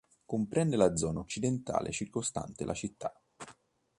Comprende la zona occidentale circostante la città.